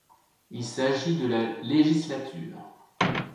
Il s'agit de la législature.